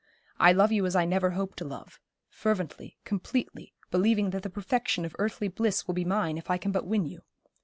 I love you as I never hoped to love, fervently, completely, believing that the perfection of earthly bliss will be mine if I can but win you.